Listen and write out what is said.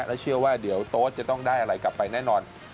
และเชื่อว่าเดี๋ยวโต๊ดจะต้องได้อะไรกลับไปแน่นอน